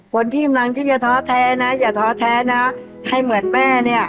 พุนที่พิมัณฑ์ที่เยอะเท้แท้นะให้เหมือนแม่เนี่ย